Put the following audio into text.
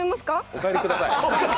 お帰りください